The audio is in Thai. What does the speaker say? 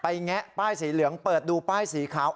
แงะป้ายสีเหลืองเปิดดูป้ายสีขาว